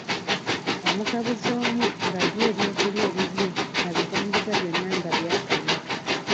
Omugabuzi omu nga ye eby’okulya ebibye abitambuza byonna nga by'asamye.